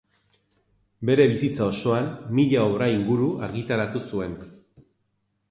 Bere bizitza osoan mila obra inguru argitaratu zuen.